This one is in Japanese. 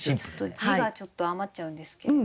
字がちょっと余っちゃうんですけれど。